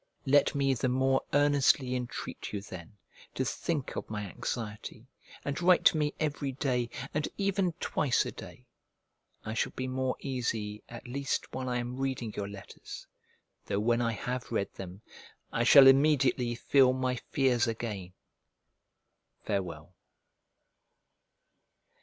Let me the more earnestly entreat you then to think of my anxiety, and write to me every day, and even twice a day: I shall be more easy, at least while I am reading your letters, though when I have read them, I shall immediately feel my fears again. Farewell.